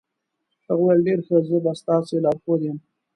هغه وویل ډېر ښه، زه به ستاسې لارښود یم.